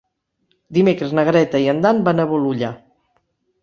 Dimecres na Greta i en Dan van a Bolulla.